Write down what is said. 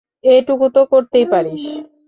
এটুকু তো করতেই পারিস।